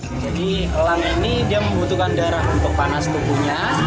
jadi elang ini dia membutuhkan darah untuk panas tubuhnya